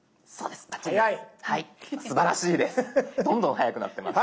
すばらしいです。